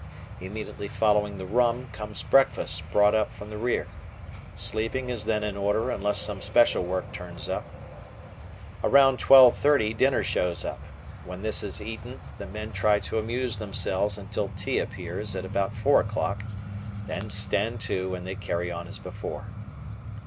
Immediately following the rum, comes breakfast, brought up from the rear. Sleeping is then in order unless some special work turns up. Around 12.30 dinner shows up. When this is eaten the men try to amuse themselves until "tea" appears at about four o'clock, then "stand to" and they carry on as before.